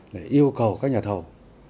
để yêu cầu các nhà thầu